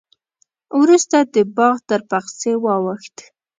وروسته د باغ تر پخڅې واوښت.